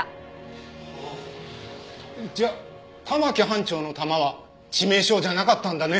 じゃあ玉城班長の弾は致命傷じゃなかったんだね？